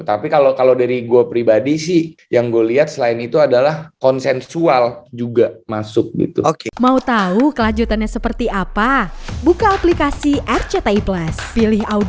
tapi kalo dari gue pribadi sih yang gue liat selain itu adalah konsensual juga masuk gitu